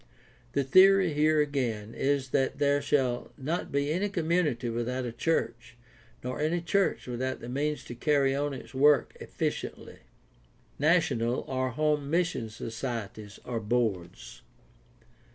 The theory here again is that there shall not be 632 GUIDE TO STUDY OF CHRISTIAN RELIGION any community without a church, nor any church without the means to carry on its work efficiently. National or home mission societies or boards.